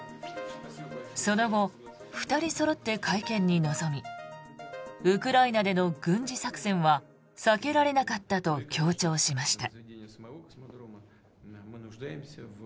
その後、２人そろって会見に臨みウクライナでの軍事作戦は避けられなかったと強調しました。